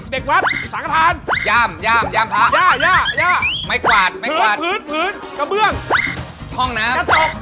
เด็กวัดสังธารย่ามพระย่าไม้กวาดผืนกระเบื้องห้องน้ำ